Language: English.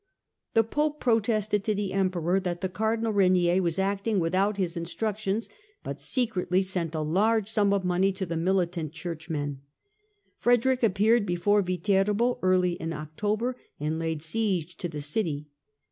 The Pope protested to the Emperor that the Cardinal Regnier was acting without his instructions, but secretly sent a large sum of gold to the militant churchman. Frederick appeared before Viterbo early in October and laid siege to the city.